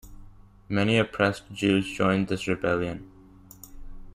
Many oppressed Jews joined this rebellion.